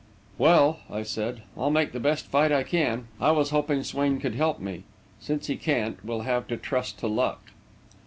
"Well," I said, "I'll make the best fight I can. I was hoping Swain could help me; since he can't, we'll have to trust to luck."